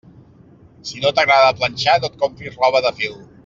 Si no t'agrada planxar, no et compris roba de fil.